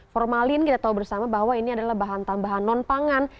formalin kita tahu bersama bahwa ini adalah bahan tambahan non pangan